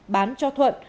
bán cho thuận